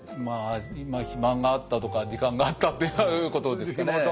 まあ暇があったとか時間があったってことですかね。